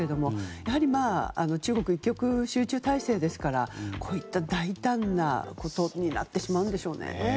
やはり中国は一極集中体制ですからこういった大胆なことになってしまうんでしょうね。